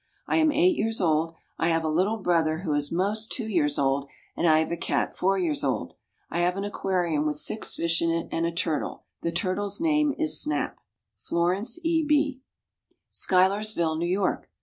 I am eight years old. I have a little brother who is 'most two years old, and I have a cat four years old. I have an aquarium with six fish in it, and a turtle. The turtle's name is Snap. FLORENCE E. B. SCHUYLERSVILLE, NEW YORK.